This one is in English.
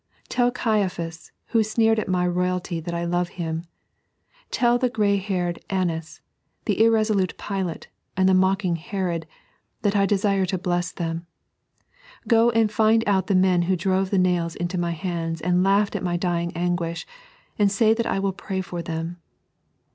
" Tell Caiaphas, who sneered at ULy royalty that I love him. Tell the grey haired Annas, the irresolute Pilate, and the mocking Herod, that I desire to bless them. Go and find out the men who drove the nails into My hands and laughed at My dying anguish, and say that I will pray for them."